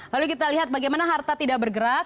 lalu kita lihat bagaimana harta tidak bergerak